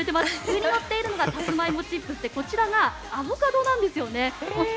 上に乗っているのがサツマイモチップスでこちらがアボカドなんですよね。